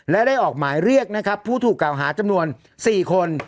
และได้ออกหมายเรียกนะครับผู้ถูกกล่าวหาจำนวน๔คน